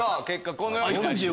結果このように。